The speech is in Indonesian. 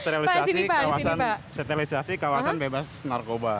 kita sterilisasi kawasan bebas narkoba